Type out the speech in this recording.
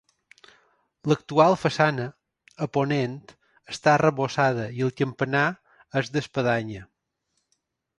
L'actual façana, a ponent, està arrebossada i el campanar, és d'espadanya.